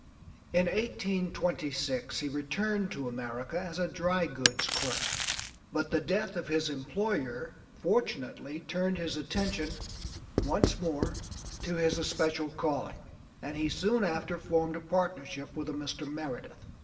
In 1826 he returned to America as a dry goods clerk, but the death of his employer fortunately turned his attention once more to his especial calling, and he soon after formed a partnership with a Mr. Meredith.